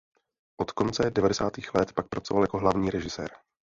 Od konce devadesátých let pak pracoval jako hlavní režisér.